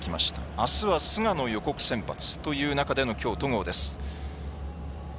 あすは菅野が予告先発という中でのきょう戸郷です。